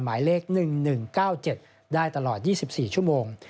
หมายเลข๑๑๙๗ได้ตลอด๒๔ชั่วโมง